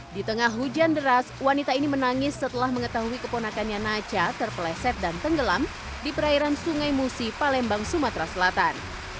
di tengah hujan deras wanita ini menangis setelah mengetahui keponakannya nacha terpeleset dan tenggelam di perairan sungai musi palembang sumatera selatan